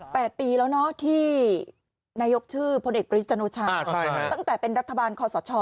แปดปีแล้วที่นายกชื่อพลเอกริจนชาตั้งแต่เป็นรัฐบาลคอสช